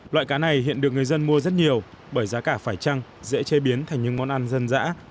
loại cá này hiện được người dân mua rất nhiều bởi giá cả phải trăng dễ chế biến thành những món ăn dân dã